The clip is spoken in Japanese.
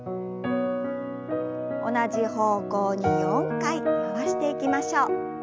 同じ方向に４回回していきましょう。